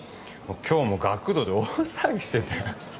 今日も学童で大騒ぎしてたよ